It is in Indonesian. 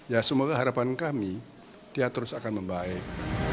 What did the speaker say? ya semoga harapan kami dia terus akan membaik